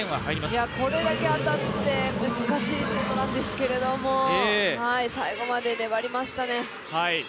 これだけ当たって難しいシュートなんですけれども、最後まで粘りましたね。